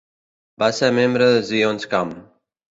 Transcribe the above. Va ser membre de Zions Camp.